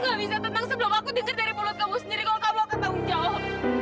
gak bisa tenang sebelum aku dengar dari mulut kamu sendiri kalau kamu ketanggung jawab